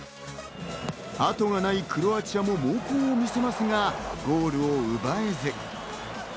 あとがないクロアチアも猛攻を見せますが、ゴールを奪えず。